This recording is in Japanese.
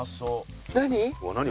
何？